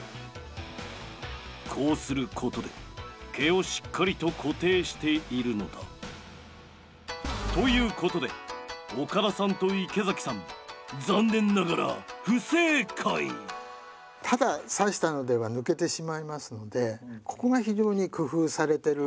こうすることで毛をしっかりと固定しているのだ。ということで岡田さんと池崎さん残念ながらただ挿したのでは抜けてしまいますのでここが非常に工夫されてる。